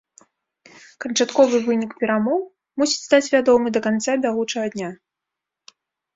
Канчатковы вынік перамоў мусіць стаць вядомы да канца бягучага дня.